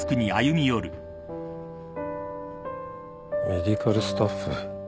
メディカルスタッフ。